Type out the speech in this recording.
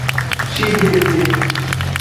Shijeje.